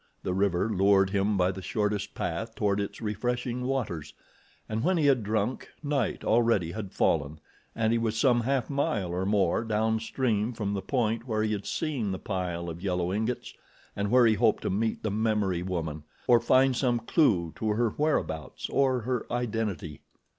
The river lured him by the shortest path toward its refreshing waters, and when he had drunk, night already had fallen and he was some half mile or more down stream from the point where he had seen the pile of yellow ingots, and where he hoped to meet the memory woman, or find some clew to her whereabouts or her identity.